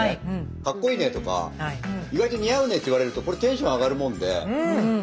かっこいいねとか意外と似合うねって言われるとこれテンション上がるもんで。でしょう？